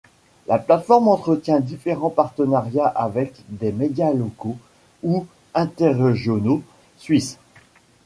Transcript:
La plate-forme entretient différents partenariats avec des médias locaux ou interrégionaux suisses.